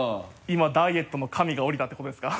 今ダイエットの神が降りたってことですか？